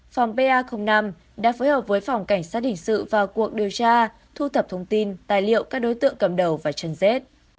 phòng pa năm đã phối hợp với phòng cảnh sát hình sự vào cuộc điều tra thu thập thông tin tài liệu các đối tượng cầm đầu và chân dết